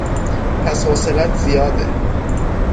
پس حوصلهات زیاده